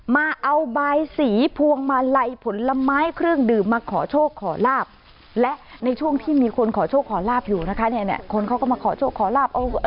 มาเอาใบสีพวงมาไหลผลไม้เครื่องดื่มมาขอโชคขอลาบและในช่วงที่มีคนขอโชคขอลาบอยู่นะคะ